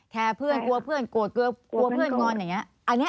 เพื่อนกลัวเพื่อนโกรธกลัวเพื่อนงอนอย่างนี้